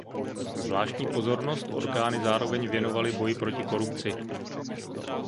Zvláštní pozornost orgány zároveň věnovaly boji proti korupci.